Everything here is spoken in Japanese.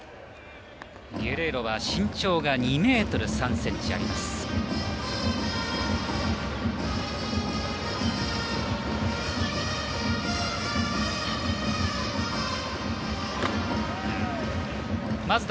ゲレーロは身長が２ｍ３ｃｍあります。